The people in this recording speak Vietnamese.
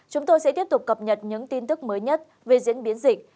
chúng tôi sẽ tiếp tục cập nhật những tin tức mới nhất về diễn biến dịch